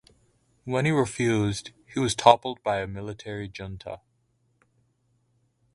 When he refused, he was toppled by a military junta.